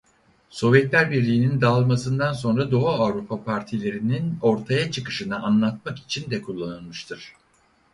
Sovyetler Birliği'nin dağılmasından sonra Doğu Avrupa partilerinin ortaya çıkışını anlatmak için de kullanılmıştır.